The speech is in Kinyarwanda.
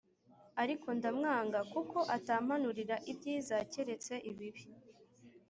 ariko ndamwanga kuko atampanurira ibyiza keretse ibibi